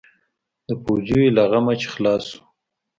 د پوجيو له غمه چې خلاص سو.